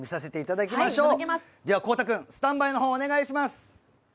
では、孝汰君スタンバイの方お願いします。